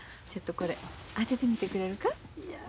ちょっとこれ当ててみてくれるか？